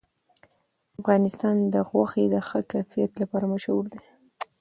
افغانستان د غوښې د ښه کیفیت لپاره مشهور دی.